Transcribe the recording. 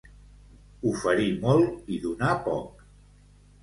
Oferir molt i donar poc.